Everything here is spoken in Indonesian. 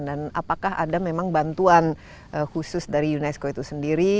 dan apakah ada memang bantuan khusus dari unesco itu sendiri